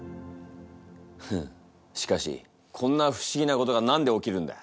フンッしかしこんな不思議なことが何で起きるんだ？